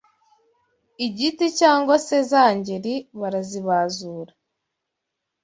Igiti cyangwa se za ngeri, barazibazura